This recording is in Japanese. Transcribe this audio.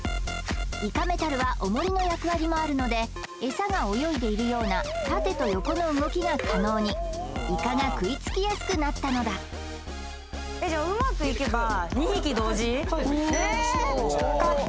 イカメタルはオモリの役割もあるので餌が泳いでいるような縦と横の動きが可能にイカが食いつきやすくなったのだそうですねええっ！